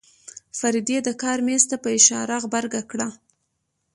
فريدې د کار مېز ته په اشاره غبرګه کړه.